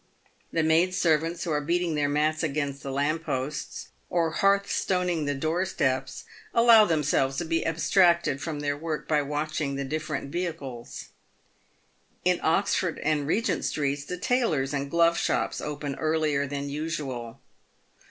The maid servants who are beating their mats against the lamp posts, or hearth stoning the door steps, allow themselves to be abstracted from their work by watching the different vehicles. In Oxford and Begent streets, the tailors and glove shops open earlier than usual.